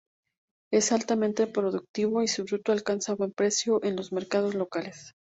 Es altamente productivo y su fruto alcanza buen precio en los mercados locales.